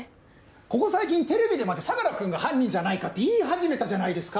ここ最近テレビでまで相良君が犯人じゃないかって言い始めたじゃないですか。